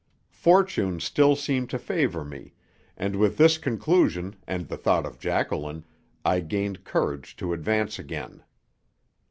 Fortune still seemed to favour me, and with this conclusion and the thought of Jacqueline, I gained courage to advance again.